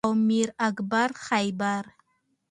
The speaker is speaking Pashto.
او میر اکبر خیبری